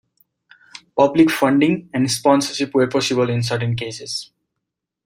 Public funding and sponsorship were possible in certain cases.